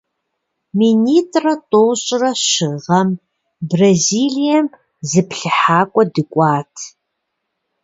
Минитӏрэ тӏощӏрэ щы гъэм Бразилием зыплъыхьакӏуэ дыкӏуат.